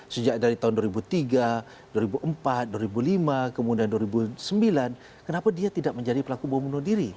sejak dari tahun dua ribu tiga dua ribu empat dua ribu lima kemudian dua ribu sembilan kenapa dia tidak menjadi pelaku bom bunuh diri